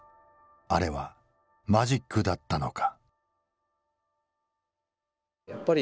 あれはマジックだったのか。